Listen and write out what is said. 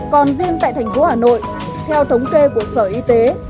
còn riêng tại thành phố hà nội theo thống kê của sở y tế